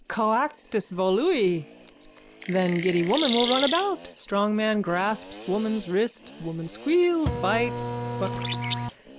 Coactus volui._ Then giddy woman will run about. Strong man grapses woman's wrist. Woman squeals, bites, spucks.